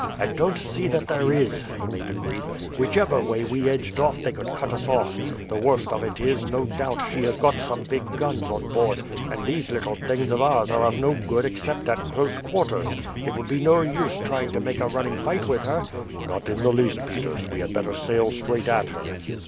"I don't see that there is," the mate agreed. "Whichever way we edged off they could cut us off. The worst of it is, no doubt she has got some big guns on board, and these little things of ours are of no good except at close quarters. It would be no use trying to make a running fight with her?" "Not in the least, Peters. We had better sail straight at her."